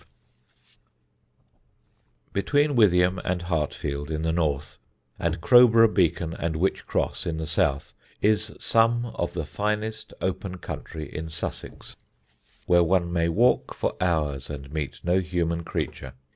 [Sidenote: OUR JOURNEY'S END] Between Withyham and Hartfield in the north, and Crowborough Beacon and Wych Cross in the south, is some of the finest open country in Sussex, where one may walk for hours and meet no human creature.